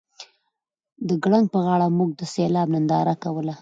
د ګړنګ په غاړه موږ د سیلاب ننداره کوله